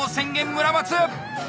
村松！